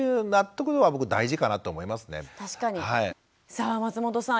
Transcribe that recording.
さあ松本さん